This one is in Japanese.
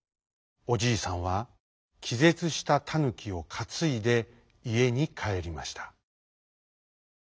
おじいさんはきぜつしたタヌキをかついでいえにかえりました。